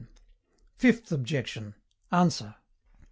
FIFTH OBJECTION. ANSWER.